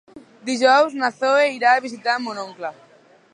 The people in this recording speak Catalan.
Dijous na Zoè irà a visitar mon oncle.